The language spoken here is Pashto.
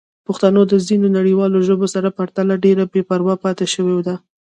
پښتو د ځینو نړیوالو ژبو سره پرتله ډېره بې پروا پاتې شوې ده.